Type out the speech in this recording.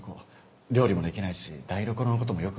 料理もできないし台所の事もよくわからないんです。